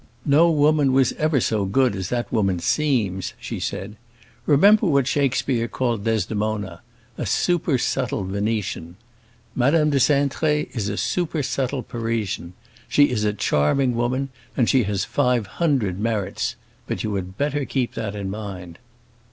"No woman was ever so good as that woman seems," she said. "Remember what Shakespeare calls Desdemona; 'a supersubtle Venetian.' Madame de Cintré is a supersubtle Parisian. She is a charming woman, and she has five hundred merits; but you had better keep that in mind."